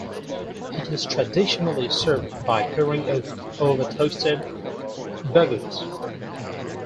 It is traditionally served by pouring it over toasted baguette.